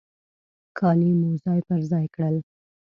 کالي مو ځای پر ځای کړل.